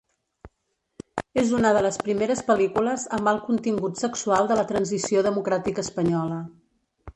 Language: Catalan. És una de les primeres pel·lícules amb alt contingut sexual de la transició democràtica espanyola.